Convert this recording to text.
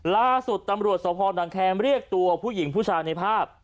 ล่าสุดตำรวจสพนังแคมเรียกตัวผู้หญิงผู้ชายในภาพ